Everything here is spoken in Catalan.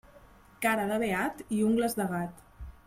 Cara de beat i ungles de gat.